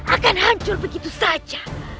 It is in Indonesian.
akan hancur begitu saja